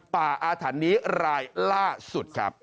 อาถรรพ์นี้รายล่าสุดครับ